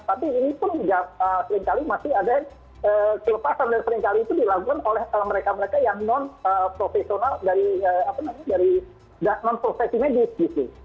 tapi ini pun seringkali masih ada kelepasan dan seringkali itu dilakukan oleh mereka mereka yang non profesional dari non profesi medis gitu